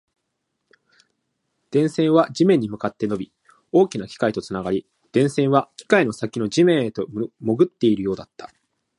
電線は地面に向かって伸び、大きな機械とつながり、電線は機械の先の地面の中へと潜っているようだった